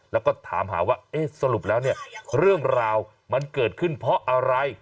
แล้วก็ถามหาว่าเอ๊ะสรุปแล้วเนี่ยเรื่องราวมันเกิดขึ้นเพราะอะไร